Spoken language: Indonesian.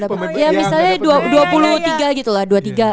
ya misalnya dua puluh tiga gitu lah